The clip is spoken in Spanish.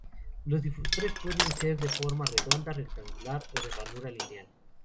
Los difusores pueden ser de forma redonda, rectangular, o de ranura lineal.